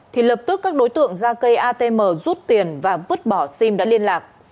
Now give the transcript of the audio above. thì lập tức các đối tượng ra cây atm rút tiền và vứt bỏ sim đã liên lạc